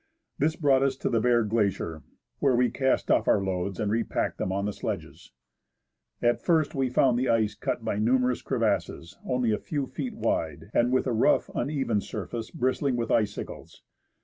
This brought us to the bare glacier, where we cast off our loads and repacked them on the sledges. At first we found the ice cut by numerous crevasses, only a few feet wide, and with a rough, uneven surface bristling with icicles.